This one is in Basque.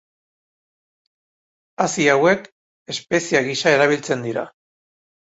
Hazi hauek espezia gisa erabiltzen dira.